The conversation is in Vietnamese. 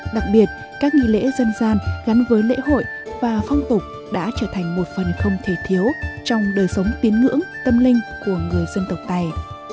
đặc biệt các nghi lễ dân gian gắn với lễ hội và phong tục đã trở thành một phần không thể thiếu trong đời sống tiến ngưỡng tâm linh của người dân tộc tài